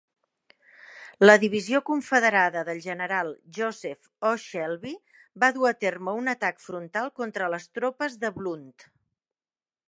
La divisió confederada del general Joseph O. Shelby va dur a terme un atac frontal contra les tropes de Blunt.